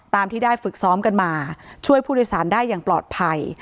ที่ได้ฝึกซ้อมกันมาช่วยผู้โดยสารได้อย่างปลอดภัย